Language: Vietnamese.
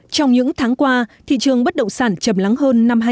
trong những tháng qua thị trường bất động sản chầm lắng hơn năm hai nghìn hai mươi